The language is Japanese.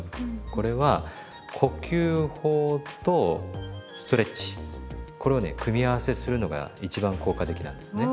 これは呼吸法とストレッチこれをね組み合わせするのが一番効果的なんですね。